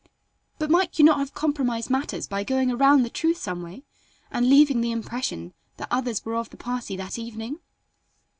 "But might you not have compromised matters by going around the truth some way, and leaving the impression that others were of the party that evening?"